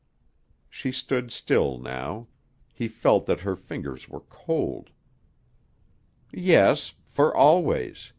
She stood still now. He felt that her fingers were cold. "Yes. For always.